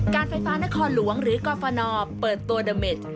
การไฟฟ้านครหลวงหรือกอฟนอลเปิดตัวดาเมจ